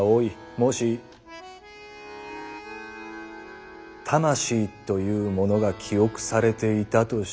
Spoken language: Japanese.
もし魂というものが記憶されていたとしたら。